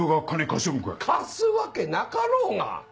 貸すわけなかろうが！